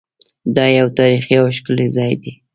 دا یو تاریخي او ښکلی ځای دی.